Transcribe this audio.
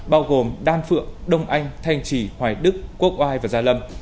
bao gồm đan phượng đông anh thanh trì hoài đức quốc oai và gia lâm